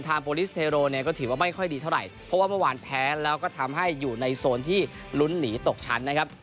โปรลิสเทโรเนี่ยก็ถือว่าไม่ค่อยดีเท่าไหร่เพราะว่าเมื่อวานแพ้แล้วก็ทำให้อยู่ในโซนที่ลุ้นหนีตกชั้นนะครับ